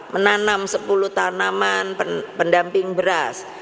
menanam sepuluh tanaman pendamping beras